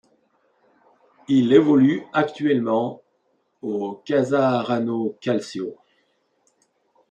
Il évolue actuellement au Casarano Calcio.